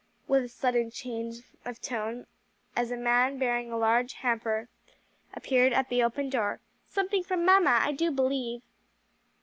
with a sudden change of tone as a man bearing a large hamper appeared at the open door; "something from mamma, I do believe."